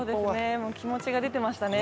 気持ちが出ていましたね。